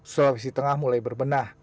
sulawesi tengah mulai berbenah